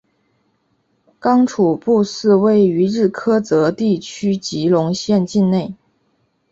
刚楚布寺位于日喀则地区吉隆县境内。